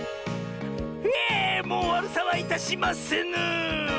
ひえもうわるさはいたしませぬ！